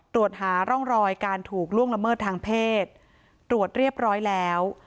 ตรวจหาร่องรอยการถูกล่วงละเมิดทางเพศตรวจเรียบร้อยแล้ว